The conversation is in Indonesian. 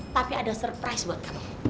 tapi ada surprise buat kamu